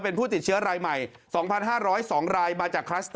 เป็นผู้ติดเชื้อรายใหม่๒๕๐๒รายมาจากคลัสเตอร์